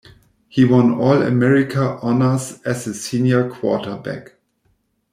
He won All-America honors as a senior quarterback.